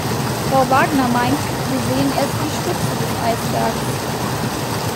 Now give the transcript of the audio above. Frau Wagner meint, wir sehen erst die Spitze des Eisbergs.